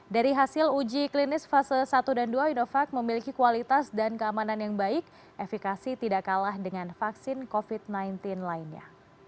dari hasil uji klinis fase satu dan dua inovac memiliki kualitas dan keamanan yang baik efekasi tidak kalah dengan vaksin covid sembilan belas lainnya